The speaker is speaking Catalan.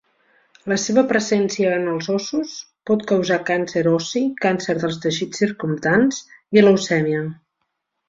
La seva presència en els ossos pot causar càncer ossi, càncer dels teixits circumdants i leucèmia.